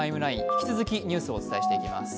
引き続きニュースをお伝えしていきます。